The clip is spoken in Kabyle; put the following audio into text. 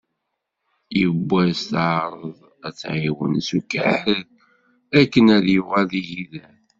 Yiwwas teεreḍ ad t-tεiwen s ukerrer akken ad yuɣal d igider.